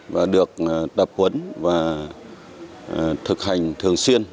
và được tập huấn và thực hành thường xuyên